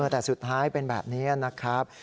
แต่สุดท้ายเป็นแบบนี้นะครับ